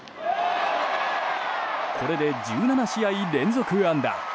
これで１７試合連続安打。